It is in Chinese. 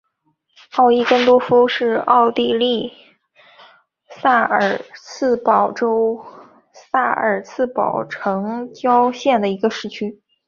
奥伊根多夫是奥地利萨尔茨堡州萨尔茨堡城郊县的一个市镇。